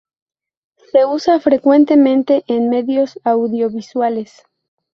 Se usa frecuentemente en medios audiovisuales.